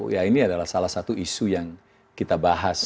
ya ini adalah salah satu isu yang kita bahas